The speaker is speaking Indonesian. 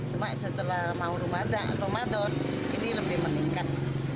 cuma setelah mau ramadan ini lebih meningkat